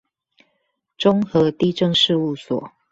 中和地政事務所